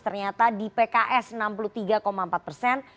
ternyata di pks enam puluh tiga empat persen